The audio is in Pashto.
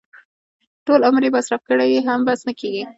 ټول عمر یې مصرف کړي هم بس نه کېږي.